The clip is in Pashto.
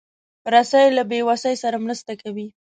رسۍ له بېوسۍ سره مرسته کوي.